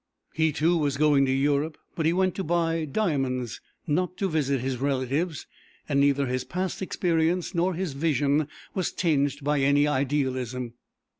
He too was going to Europe; but he went to buy diamonds, not to visit his relatives, and neither his past experience nor his vision was tinged by any idealism.